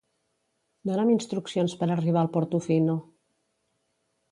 Dona'm instruccions per arribar al Portofino.